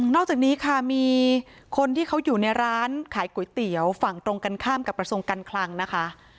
จากนี้ค่ะมีคนที่เขาอยู่ในร้านขายก๋วยเตี๋ยวฝั่งตรงกันข้ามกับกระทรวงการคลังนะคะ